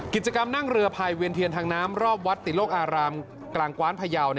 กิจกรรมนั่งเรือภายเวียนเทียนทางน้ำรอบวัดติโลกอารามกลางกว้านพยาว